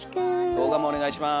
動画もお願いします。